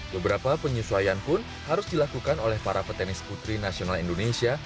beberapa penyesuaian pun harus dilakukan oleh para petenis putri nasional indonesia